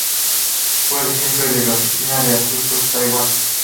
Fue jefe de la Oficina de Asuntos de Taiwán.